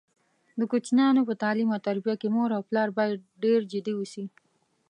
د کوچینیانو په تعلیم او تربیه کې مور او پلار باید ډېر جدي اوسي.